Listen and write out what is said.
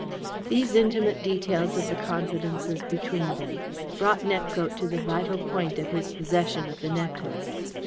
These intimate details of the confidences between them brought Nepcote to the vital point of his possession of the necklace.